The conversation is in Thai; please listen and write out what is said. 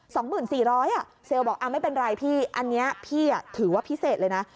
สองหมื่นสี่ร้อยอ่ะเซลล์บอกอ่าไม่เป็นไรพี่อันนี้พี่อ่ะถือว่าพิเศษเลยนะ